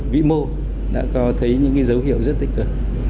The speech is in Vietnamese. vĩ mô đã có thấy những dấu hiệu rất tích cực